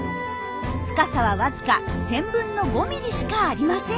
深さはわずか１，０００分の５ｍｍしかありません。